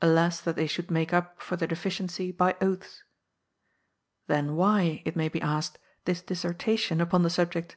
Alas that they should make up for the deficiency by oaths. Then, why, it may be asked, this dissertation upon the subject?